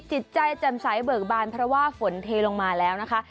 จิตใจแจ่มใสเบิกบานเพราะว่าฝนเทลงมาแล้วนะคะ